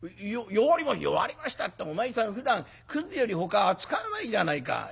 「弱りましたってお前さんふだんくずよりほかは扱わないじゃないか。